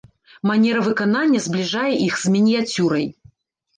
Манера выканання збліжае іх з мініяцюрай.